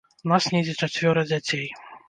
Нас недзе чацвёра дзяцей.